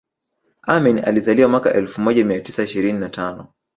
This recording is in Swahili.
amini alizaliwa mwaka elfu moja mia tisa ishirini na tano